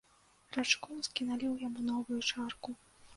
Рачкоўскі наліў яму новую чарку.